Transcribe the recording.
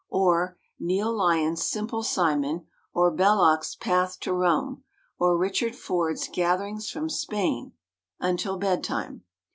or Neil Lyon's Simple Simon, or Belloc's Path to Rome, or Richard Ford's Gatherings from Spain until bedtime.